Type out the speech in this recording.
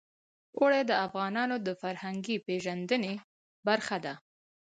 اوړي د افغانانو د فرهنګي پیژندنې برخه ده.